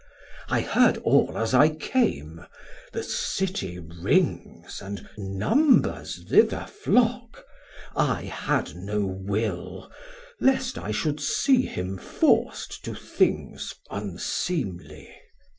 I heard all as I came, the City rings And numbers thither flock, I had no will, 1450 Lest I should see him forc't to things unseemly.